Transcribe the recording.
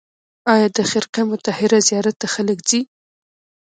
آیا د خرقه مطهره زیارت ته خلک ځي؟